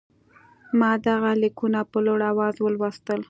ما دغه لیکونه په لوړ آواز ولوستل.